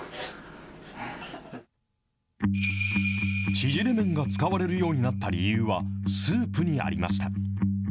縮れ麺が使われるようになった理由はスープにありました。